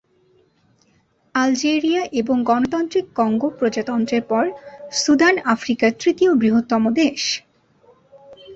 Algeria এবং গণতান্ত্রিক Congo প্রজাতন্ত্রের পর সুদান আফ্রিকার তৃতীয় বৃহত্তম দেশ।